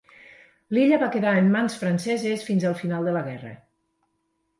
L'illa va quedar en mans franceses fins al final de la guerra.